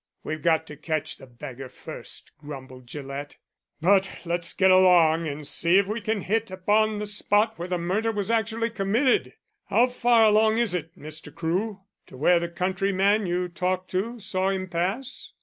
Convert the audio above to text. "We've got to catch the beggar first," grumbled Gillett. "But let's get along and see if we can hit upon the spot where the murder was actually committed. How far along is it, Mr. Crewe, to where the countryman you talked to saw him pass?"